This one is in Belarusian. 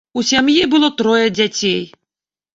У сям'і было трое дзяцей.